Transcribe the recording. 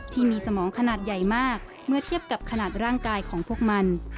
ที่มีสมองขนาดใหญ่มากเมื่อเทียบกับขนาดร่างกายของพวกมัน